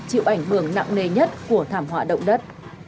chịu ảnh hưởng nặng nề nhất của thảm họa động đất